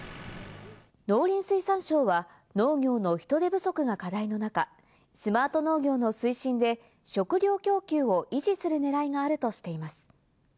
農林水産省は農業の人手不足が課題の中、スマート農業の推進で食料供給を維持する狙いがあるとしています。